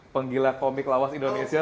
penggila komik lawas indonesia